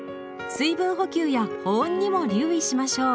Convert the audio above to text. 水分補給や保温にも留意しましょう。